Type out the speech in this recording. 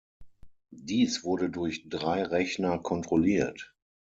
Dies wurde durch drei Rechner kontrolliert.